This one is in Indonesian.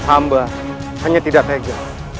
amba hanya tidak tega